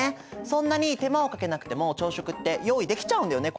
そんなに手間をかけなくても朝食って用意できちゃうんだよね。